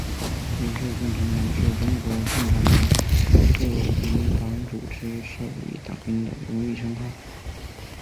优秀共产党员是中国共产党各级党组织授予党员的荣誉称号。